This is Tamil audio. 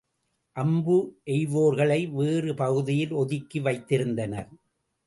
அம்பு எய்வோர்களை, வேறு பகுதியில் ஒதுக்கி வைத்திருந்தனர்.